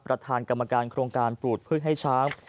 ประธานกรรมการโครงการปลูกพืชให้ช้าง